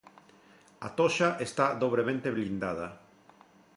A Toxa está dobremente blindada.